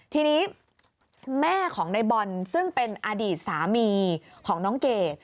ทีนี้แม่ของในบอลซึ่งเป็นอดีตสามีของน้องเกด